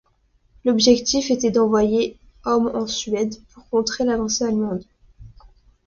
L'objectif était d'envoyer hommes en Suède pour contrer l'avancée allemande.